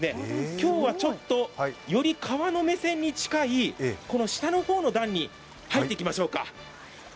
今日はちょっとより川の目線に近いこの下の方の段に入っていきましょうか。